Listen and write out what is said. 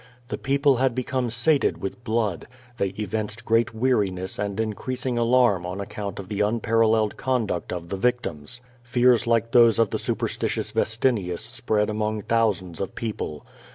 The people had become sated with blood; they evinced great weariness and increasing alarnr^on account of the un paralleled conduct of the victims. Fears like those of the su persitious Vestinius spread among thousands of people.